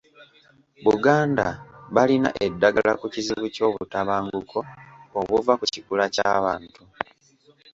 Buganda balina eddagala ku kizibu ky’obutabanguko obuva ku kikula ky’abantu.